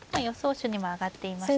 手にも挙がっていました。